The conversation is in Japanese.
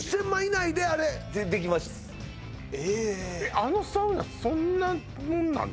あのサウナそんなもんなの？